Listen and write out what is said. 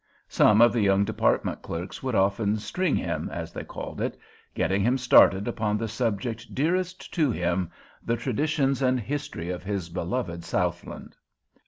Some of the young department clerks would often "string him," as they called it, getting him started upon the subject dearest to him—the traditions and history of his beloved Southland.